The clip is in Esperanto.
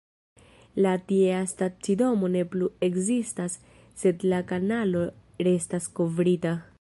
La tiea stacidomo ne plu ekzistas, sed la kanalo restas kovrita.